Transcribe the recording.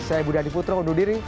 saya budha diputro undur diri